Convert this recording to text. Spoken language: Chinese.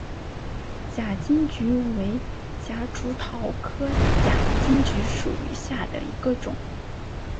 假金桔为夹竹桃科假金桔属下的一个种。